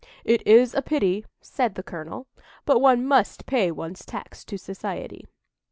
"It is a pity," said the colonel; "but one must pay one's tax to society."